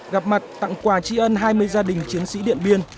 gặp mặt tặng quà tri ân hai mươi gia đình chiến sĩ điện biên